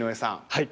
はい。